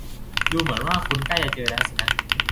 ดูเหมือนว่าคุณใกล้จะเจอแล้วสินะ